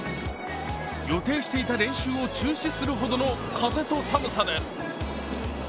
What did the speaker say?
予定していた練習を中止するほどの風と寒さです。